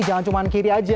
jangan cuman kiri aja